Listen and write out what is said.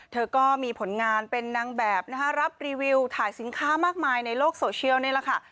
เธอก็มีผลงานเป็นนางแบบนะคะรับรีวิวถ่ายสินค้ามากมายในโลกโซเชียลนี่แหละค่ะ